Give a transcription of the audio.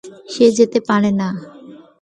সে যেতে পারে না।